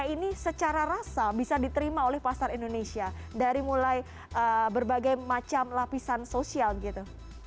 karena ini secara rasa bisa diterima oleh pasar indonesia dari mulai berbagai macam lapisan sosial gitu